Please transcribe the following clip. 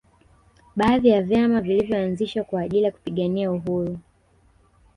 Baadhi ya vyama vilinyoanzishwa kwa ajili ya kupiganiwa uhuru